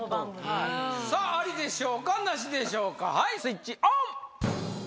さあ、ありでしょうか、なしでしょうか、はい、スイッチオン。